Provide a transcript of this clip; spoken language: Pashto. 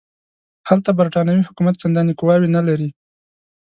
هلته برټانوي حکومت چنداني قواوې نه لري.